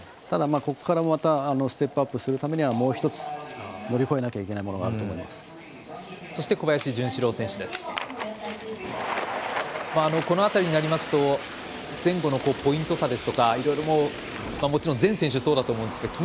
ただ、ここからまたステップアップするためにはもう１つ、乗り越えないといけないものがあると思います。